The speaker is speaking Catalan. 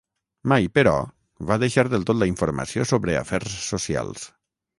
Mai, però, va deixar del tot la informació sobre afers socials.